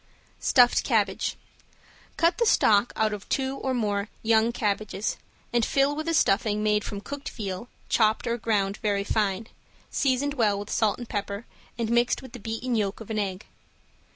~STUFFED CABBAGE~ Cut the stalk out of two or more young cabbages and fill with a stuffing made from cooked veal, chopped or ground very fine, seasoned well with salt and pepper, and mixed with the beaten yolk of an egg.